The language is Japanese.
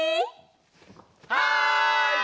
はい！